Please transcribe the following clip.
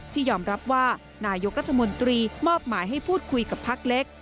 ที่ยอมรับว่านายกรัฐมนตรีมอบหมายให้พูดคุยกับพักเล็ก